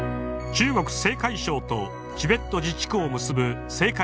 中国・青海省とチベット自治区を結ぶ青海